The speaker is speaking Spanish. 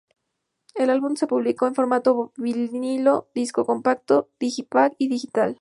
El álbum se público en formato vinilo, disco compacto, digipak, y digital.